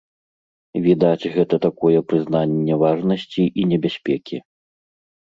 Відаць, гэта такое прызнанне важнасці і небяспекі.